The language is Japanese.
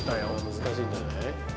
難しいんじゃない？